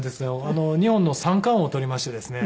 日本の三冠王を取りましてですね。